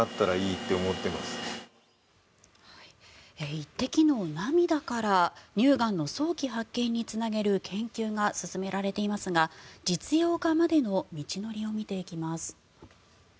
１滴の涙から乳がんの早期発見につなげる研究が進められていますが実用化までの道のりを見ていきます。